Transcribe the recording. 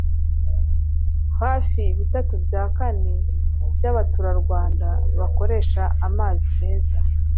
hafi bitatu bya kane by'abaturarwanda bakoresha amazi meza